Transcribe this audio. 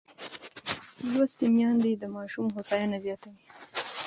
لوستې میندې د ماشوم هوساینه زیاتوي.